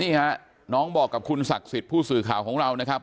นี่ฮะน้องบอกกับคุณศักดิ์สิทธิ์ผู้สื่อข่าวของเรานะครับ